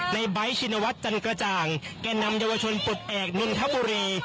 ในบ๊ายชินวัฏชันกระจ่างแกนนำเยาวชนปลดแอบเมืองทะบุรี